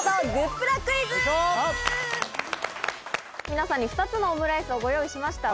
皆さんに２つのオムライスをご用意しました。